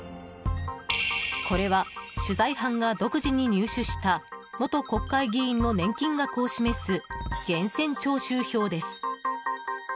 これは取材班が独自に入手した元国会議員の年金額を示す源泉徴収票です。